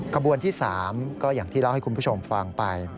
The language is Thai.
ขบวนที่๓ก็อย่างที่เล่าให้คุณผู้ชมฟังไป